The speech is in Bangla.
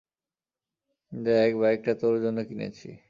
দেখ, বাইকটা তোর জন্য কিনেছি।